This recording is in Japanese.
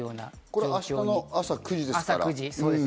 これ明日の朝９時ですから。